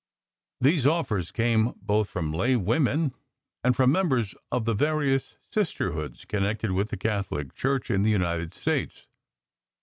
These offers came both from lay women and from members of the various Sisterhoods connected with the Catholic Church in the United States.